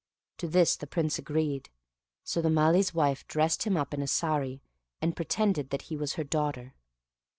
To this the Prince agreed. So the Malee's wife dressed him up in a saree, and pretended that he was her daughter.